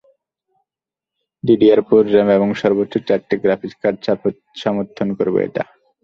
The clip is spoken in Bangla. ডিডিআর ফোর র্যাম এবং সর্বোচ্চ চারটি গ্রাফিকস কার্ড সমর্থন করবে এটি।